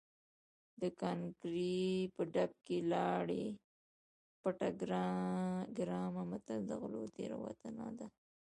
د ګانګړې په ډب کې لاړې بټه ګرامه متل د غلو تېروتنه ده